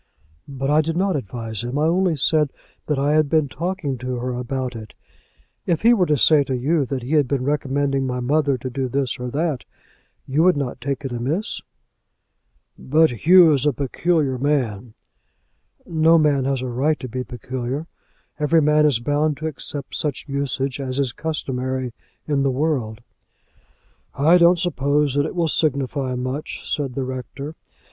"But I did not advise him. I only said that I had been talking to her about it. If he were to say to you that he had been recommending my mother to do this or that, you would not take it amiss?" "But Hugh is a peculiar man." "No man has a right to be peculiar. Every man is bound to accept such usage as is customary in the world." "I don't suppose that it will signify much," said the rector.